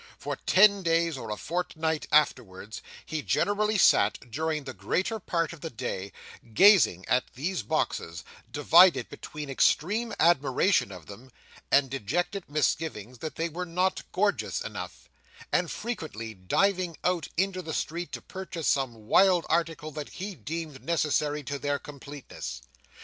For ten days or a fortnight afterwards, he generally sat, during the greater part of the day, gazing at these boxes; divided between extreme admiration of them, and dejected misgivings that they were not gorgeous enough, and frequently diving out into the street to purchase some wild article that he deemed necessary to their completeness.